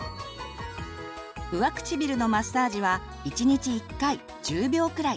上唇のマッサージは１日１回１０秒くらい。